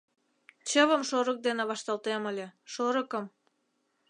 — Чывым шорык дене вашталтем ыле, шорыкым...